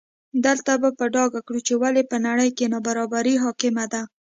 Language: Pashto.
دلته به په ډاګه کړو چې ولې په نړۍ کې نابرابري حاکمه ده.